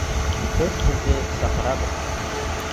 Беҙ һеҙҙе... саҡырабыҙ.